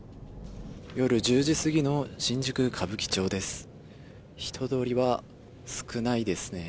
夜１０時過ぎの新宿・歌舞伎町です。